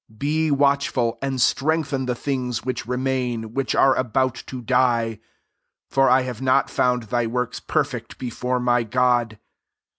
2 Be watch ful* and strengthen the. things which remain, which are about to die : for I have not found thy works perfect before my God.